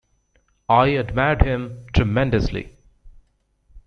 I admired him tremendously.